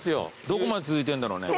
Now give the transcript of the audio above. どこまで続いてんだろうね。